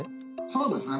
そうですね。